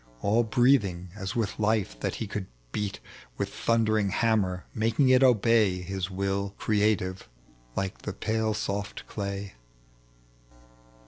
All breathing as with life that he could beat With thundering hammer, making it obey His will creative, like the pale soft clay.